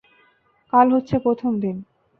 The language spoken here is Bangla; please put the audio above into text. কাল হচ্ছে প্রথম দিন।